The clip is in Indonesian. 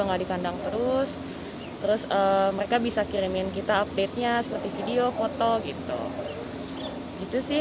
nggak dikandang terus terus mereka bisa kirimin kita update nya seperti video foto gitu itu sih